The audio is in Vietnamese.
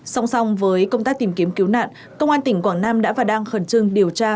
song song với công tác tìm kiếm cứu nạn công an tỉnh quảng nam đã và đang khẩn trương điều tra